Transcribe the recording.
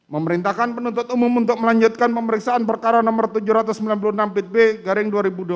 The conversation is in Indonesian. memerintahkan penuntut umum untuk melanjutkan pemeriksaan perkara nomor tujuh ratus sembilan puluh enam pitb garing dua ribu dua puluh